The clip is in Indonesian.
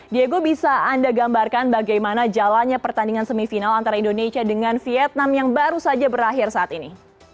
diego bisa anda gambarkan bagaimana jalannya pertandingan semifinal antara indonesia dengan vietnam yang baru saja berakhir saat ini